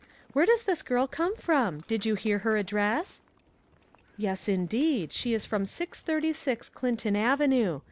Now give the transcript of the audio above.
Where does this girl come from? Did you hear her address?" " Yes, indeed ; she is from 636 Clinton ave nue.